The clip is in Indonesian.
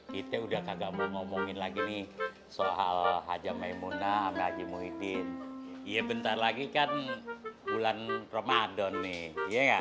kita udah kagak mau ngomongin lagi nih soal haja maymunah sama haji muhyiddin iya bentar lagi kan bulan ramadhan nih iya gak